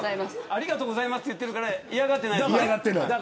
ありがとうございますと言っているから嫌がってない。